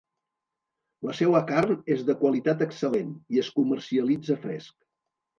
La seua carn és de qualitat excel·lent i es comercialitza fresc.